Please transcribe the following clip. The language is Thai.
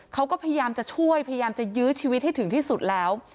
เขาก็พยายามจะช่วยพยายามจะยื้อชีวิตให้ถึงที่สุดแล้ว